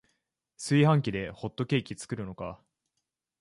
炊飯器でホットケーキ作るのか